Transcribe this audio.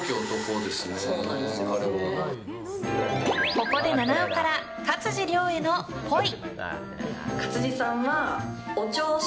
ここで菜々緒から勝地涼へのっぽい。